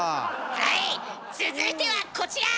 はい続いてはこちら！